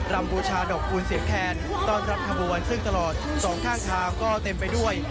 รำบูชาดอกภูมิเสียแค้นต้อนรับคบวนซึ่งตลอด๒ข้างข้างก็เต็มไปด้วย